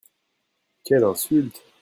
Quelle insulte